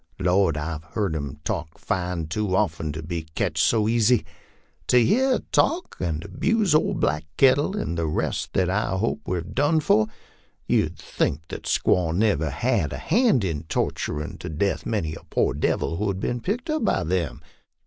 Lord, I've heerd 'em talk nne too often to be catched BO easy. To hear her talk and abuse old Black Kettle and the rest that I hope we've done for, you'd think that squaw never had had a hand in torturin' to death many a poor devil who's been picked up by them.